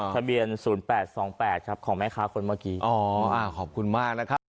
ทะเบียน๐๘๒๘ครับของแม่ค้าคนเมื่อกี้อ๋อขอบคุณมากนะครับ